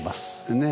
ねえ。